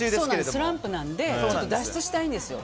スランプなので脱出したいんですよ。